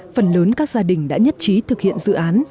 phần lớn các gia đình đã nhất trí thực hiện dự án